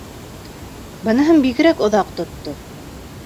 Быныһын бигерәк оҙаҡ тотто.